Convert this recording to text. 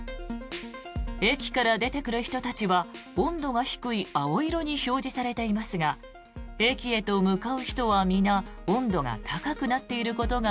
駅から出てくる人たちは温度が低い青色に表示されていますが駅へと向かう人は皆温度が高くなっていることが